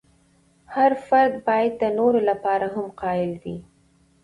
هر فرد باید د نورو لپاره هم قایل وي.